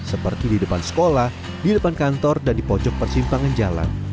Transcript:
seperti di depan sekolah di depan kantor dan di pojok persimpangan jalan